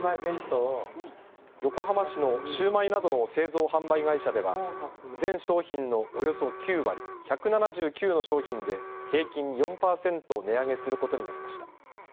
横浜市のシューマイなどの製造・販売会社では全商品のおよそ９割、１７９の商品で平均４％値上げすることになりました。